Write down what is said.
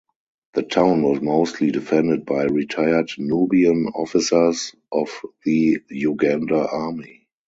The town was mostly defended by retired Nubian officers of the Uganda Army.